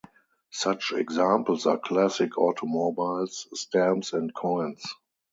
Such examples are classic automobiles, stamps and coins.